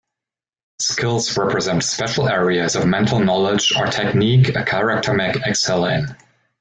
Skills represent special areas of mental knowledge or technique a character may excel in.